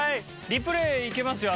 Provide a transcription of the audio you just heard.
リプレイいけますよ。